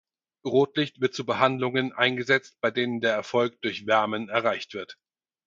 Rotlicht wird zu Behandlungen eingesetzt bei denen der Erfolg durch Wärmen erreicht wird.